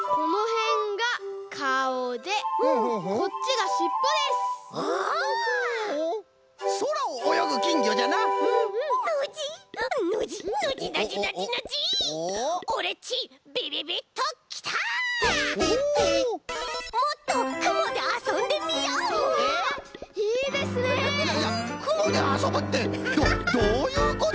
いやいやくもであそぶってどどういうこと！